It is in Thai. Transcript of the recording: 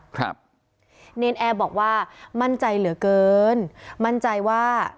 ครับเนรนแอร์บอกว่ามั่นใจเหลือเกินมั่นใจว่า